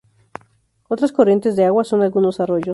Otras corrientes de agua, son algunos arroyos.